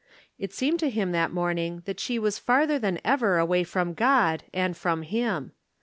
It seemed to him that morning that she was farther than ever away from God and from him.